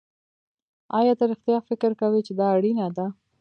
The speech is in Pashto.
ایا ته رښتیا فکر کوې چې دا اړینه ده